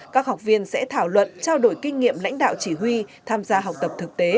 các học viên sẽ thảo luận trao đổi kinh nghiệm lãnh đạo chỉ huy tham gia học tập thực tế